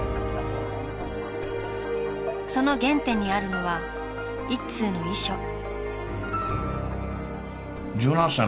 その原点にあるのは一通の遺書。